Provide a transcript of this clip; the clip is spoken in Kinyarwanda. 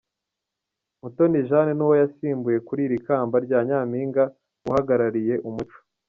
Mutoni Jane nuwo yasimbuye kuri iri kamba rya Nyampinga uhagarariye umuco.